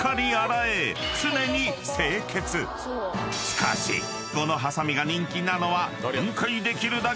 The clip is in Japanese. ［しかしこのはさみが人気なのは］